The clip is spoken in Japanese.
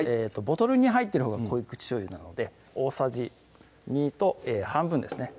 ボトルに入っているほうが濃い口しょうゆなので大さじ２と半分ですね